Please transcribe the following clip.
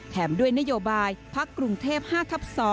ด้วยนโยบายพักกรุงเทพ๕ทับ๒